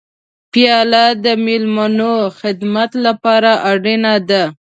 پیاله د میلمانه خدمت لپاره اړینه ده.